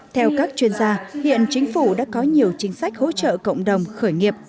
theo các chuyên gia hiện chính phủ đã có nhiều chính sách hỗ trợ cộng đồng khởi nghiệp